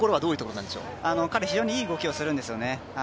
彼、非常にいい動きをするんですよね。